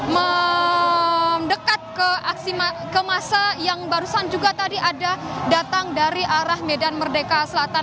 mendekat ke aksi ke masa yang barusan juga tadi ada datang dari arah medan merdeka selatan